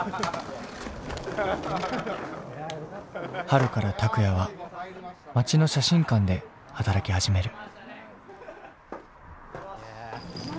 春からタクヤは街の写真館で働き始める。